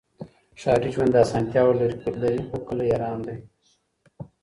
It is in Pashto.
ښاري ژوند اسانتیاوې لري خو کلی ارام دی.